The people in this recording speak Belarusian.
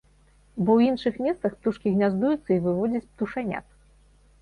Бо ў іншых месцах птушкі гняздуюцца і выводзяць птушанят.